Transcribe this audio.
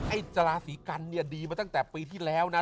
ราศีกันเนี่ยดีมาตั้งแต่ปีที่แล้วนะ